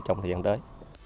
trong thời gian tới